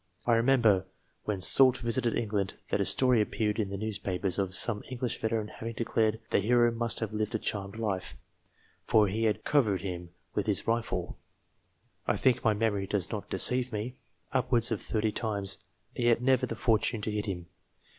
I remember, when Soult visited England, that a story appeared in the newspapers, of some English veteran having declared that the hero must have lived a charmed life, for he had " covered " him with his rifle (I think my memory does not deceive me) upwards of thirty times, and yet had never the fortune to hit him.